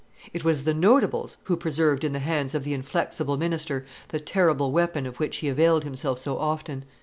It was the notables who preserved in the hands of the inflexible minister the terrible weapon of which he availed himself so often.